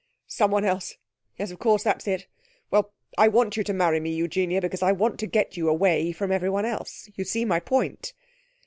'Someone else! Yes, of course; that's it. Well, I want you to marry me, Eugenia, because I want to get you away from everyone else. You see my point?'